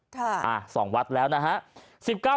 ค่ะ๒วัดแล้วนะฮะ